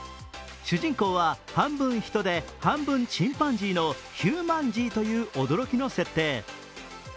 主人公は半分ヒトで半分チンパンジーのヒューマンジーという驚きの設定。